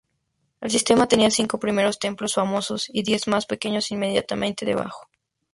El sistema tenía cinco primeros templos famosos y diez más pequeños inmediatamente debajo.